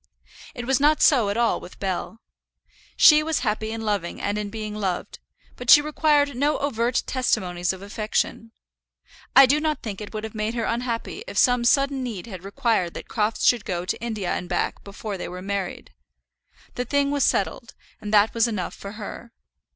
It was not so at all with Bell. She was happy in loving and in being loved, but she required no overt testimonies of affection. I do not think it would have made her unhappy if some sudden need had required that Crofts should go to India and back before they were married. The thing was settled, and that was enough for her.